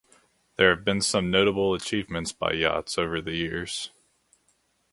There have been some notable achievements by yachts over the years.